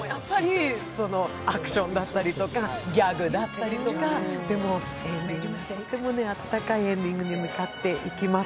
アクションだったりとかギャグだったりとか、でもとってもあったかいエンディングに向かっていきます。